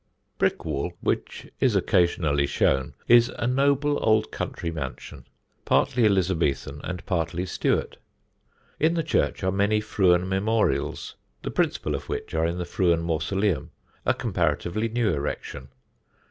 Brickwall, which is occasionally shown, is a noble old country mansion, partly Elizabethan and partly Stuart. In the church are many Frewen memorials, the principal of which are in the Frewen mausoleum, a comparatively new erection.